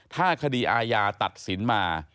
ถ้าคดีอาญาตัดสินมา